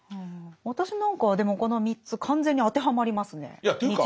私なんかはでもこの３つ完全に当てはまりますね日常生活。